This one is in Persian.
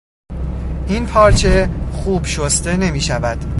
این پارچه خوب شسته نمیشود.